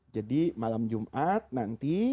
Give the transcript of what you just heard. jadi malam jumat nanti